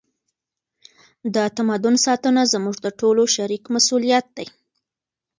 د تمدن ساتنه زموږ د ټولو شریک مسؤلیت دی.